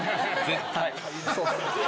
絶対。